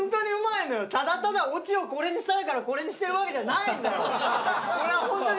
ただオチをこれにしたいからこれにしてるわけじゃないんだよ。